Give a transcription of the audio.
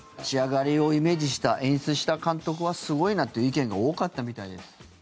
仕上がりをイメージした演出した監督はすごいなという意見が多かったみたいです。